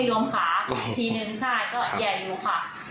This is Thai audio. นี่ดูตัวตัวขนาดนี้ไม่รวมขาทีนึงใช่ก็ใหญ่อยู่ค่ะ